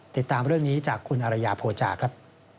ติดตามเรื่องนี้จากคุณอรยาโภจาครับ